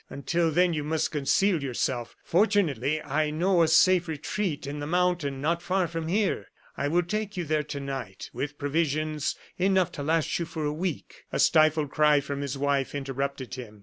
Until then you must conceal yourself. Fortunately, I know a safe retreat in the mountain, not far from here. I will take you there to night, with provisions enough to last you for a week." A stifled cry from his wife interrupted him.